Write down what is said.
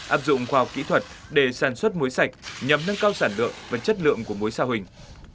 áp dụng khoa học kỹ thuật để sản xuất mối sạch nhằm nâng cao sản lượng và chất lượng của mối sa huỳnh